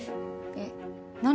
えっ何？